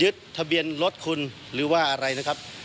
ทะเบียนรถคุณหรือว่าอะไรนะครับ